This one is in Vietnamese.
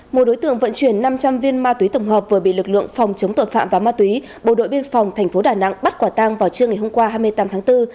một đối tượng vận chuyển năm trăm linh viên ma túy tổng hợp vừa bị lực lượng phòng chống tội phạm và ma túy bộ đội biên phòng tp đà nẵng bắt quả tang vào trưa ngày hôm qua hai mươi tám tháng bốn